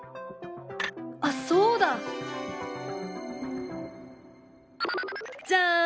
あっそうだ！じゃん！